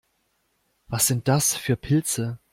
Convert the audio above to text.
Was sind das für Pilze?